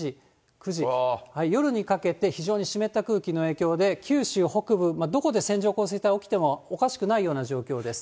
夜にかけて、非常に湿った空気の影響で、九州北部、どこで線状降水帯起きてもおかしくないような状況です。